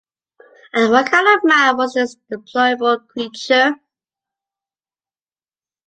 And what kind of man was this deplorable creature?